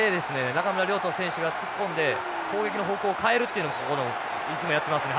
中村亮土選手が突っ込んで攻撃の方向を変えるっていうのもここのいつもやってますね。